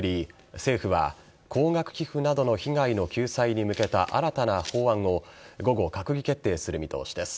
政府は高額寄付などの被害の救済に向けた新たな法案を午後、閣議決定する見通しです。